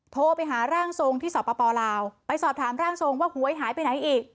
โทรไปหาร่างทรงที่สปลาวไปสอบถามร่างทรงว่าหวยหายไปไหนอีก